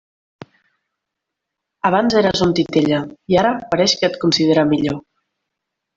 Abans eres un titella, i ara pareix que et considera millor.